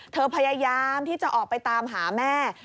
พยายามที่จะออกไปตามหาแม่